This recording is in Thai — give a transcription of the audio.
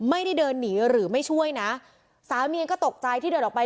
ไม่ได้เดินหนีหรือไม่ช่วยนะสามีเองก็ตกใจที่เดินออกไป